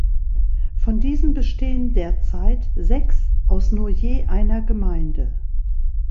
Von diesen bestehen derzeit sechs aus nur je einer Gemeinde.